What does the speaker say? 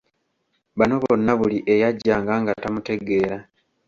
Bano bonna buli eyajjanga nga tamutegeera.